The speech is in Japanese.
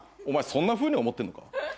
お前そんなふうに思ってんのか？